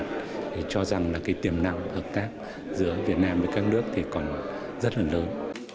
thì cho rằng là cái tiềm năng hợp tác giữa việt nam với các nước thì còn rất là lớn